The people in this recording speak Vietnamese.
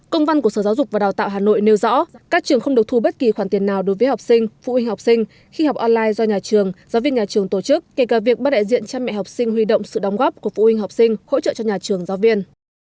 công văn của sở giáo dục và đào tạo hà nội nêu rõ các trường không được thu bất kỳ khoản tiền nào đối với học sinh phụ huynh học sinh khi học online do nhà trường giáo viên nhà trường tổ chức kể cả việc bắt đại diện cha mẹ học sinh huy động sự đóng góp của phụ huynh học sinh hỗ trợ cho nhà trường giáo viên